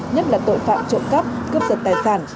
nhất là tội phạm trộm cắp cướp giật tài sản